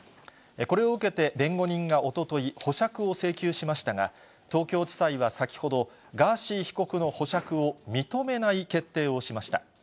これを受けて、弁護人がおととい、保釈を請求しましたが、東京地裁は先ほど、ガーシー被告の保釈を認めない決定をしました。